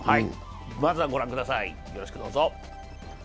まずはご覧ください。